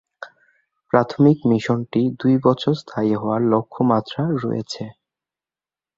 প্রাথমিক মিশনটি দুই বছর স্থায়ী হওয়ার লক্ষ্যমাত্রা রয়েছে।